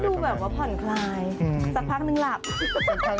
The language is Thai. ดูแบบว่าผ่อนคลายสักพักนึงหลับ